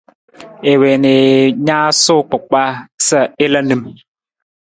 I wii na i naasuu kpakpaa sa i la nim.